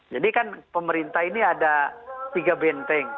jadi kan pemerintah ini ada tiga benteng